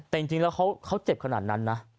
แต่จริงแล้วเขาเจ็บขนาดนั้นนะ